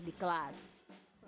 selain belajar di kelas